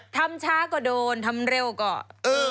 ทำช้าก็โดนทำเร็วก็